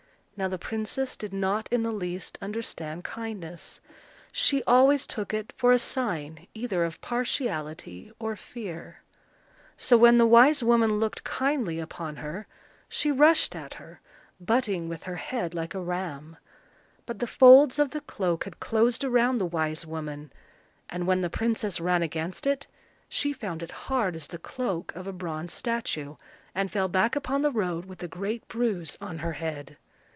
Now the princess did not in the least understand kindness. She always took it for a sign either of partiality or fear. So when the wise woman looked kindly upon her, she rushed at her, butting with her head like a ram: but the folds of the cloak had closed around the wise woman; and, when the princess ran against it, she found it hard as the cloak of a bronze statue, and fell back upon the road with a great bruise on her head.